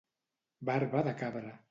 Barba de cabra.